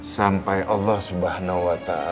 sampai allah swt